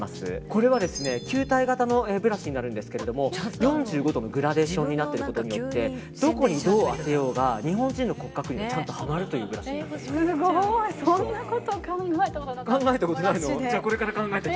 これは球体型のブラシになるんですけど４５度のグラデーションになっていることによってどこにどう当てようが日本人の骨格にそんなこと考えたことなかった。